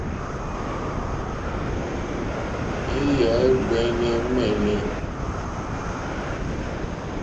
Èyà é ɡbɛ̀ɛ̀nɛ̀ ŋmɛ̂lɛ̂.